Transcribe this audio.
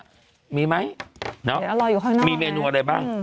หรอมีเมนูอะไรบ้างเดี๋ยวรออยู่ข้างหน้า